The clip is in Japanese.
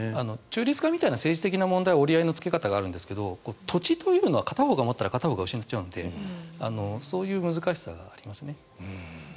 中立化みたいな政治的な問題は折り合いのつけ方があるんですが土地というのは片方が持ったら片方が失っちゃうのでそういう難しさはありますね。